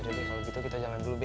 jadi kalau gitu kita jalan dulu be